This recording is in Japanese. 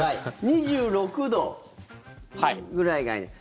２６度ぐらいがいいと。